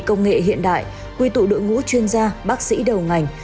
công nghệ hiện đại quy tụ đội ngũ chuyên gia bác sĩ đầu ngành